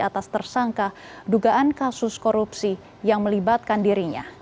atas tersangka dugaan kasus korupsi yang melibatkan dirinya